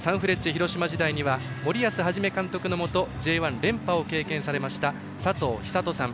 広島時代には森保一監督のもとＪ１連覇を経験されました佐藤寿人さん。